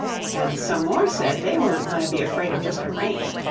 An' some more said, they wasn't goin' to be afraid of just a rain.